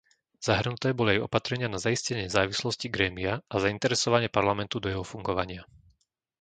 Zahrnuté boli aj opatrenia na zaistenie nezávislosti grémia a zainteresovanie Parlamentu do jeho fungovania.